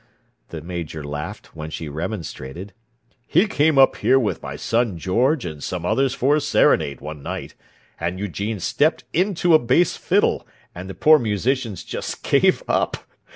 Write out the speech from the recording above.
the Major laughed, when she remonstrated. "He came up here with my son George and some others for a serenade one night, and Eugene stepped into a bass fiddle, and the poor musicians just gave up!